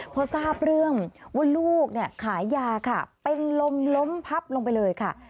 พอทราบเรื่องว่าลูกขายยาค่ะเป็นลมล้มพับลงไปเลยค่ะ